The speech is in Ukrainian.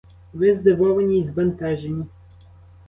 Ви здивовані й збентежені.